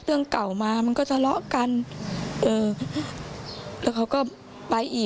แต่เขาก็เลยน้อยใจ